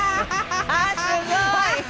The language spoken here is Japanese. あっすごい！